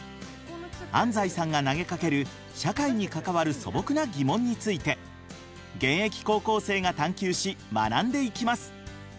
安斉さんが投げかける社会に関わる素朴な疑問について現役高校生が探究し学んでいきます。